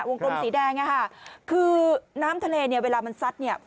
กลมสีแดงอะค่ะคือน้ำทะเลเนี่ยเวลามันซัดเนี่ย